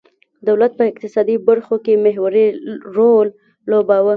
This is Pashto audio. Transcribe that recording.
دولت په اقتصادي برخو کې محوري رول لوباوه.